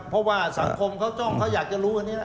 เพราะว่าสังคมเขาจ้องเขาอยากจะรู้อันนี้แล้ว